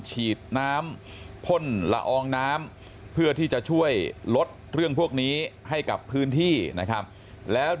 ฉีดน้ำพ่นละอองน้ำเพื่อที่จะช่วยลดเรื่องพวกนี้ให้กับพื้นที่นะครับแล้ว